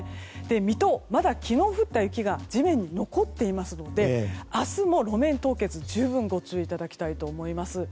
水戸、まだ昨日降った雪が地面に残っていますので明日も路面凍結、十分ご注意いただきたいと思います。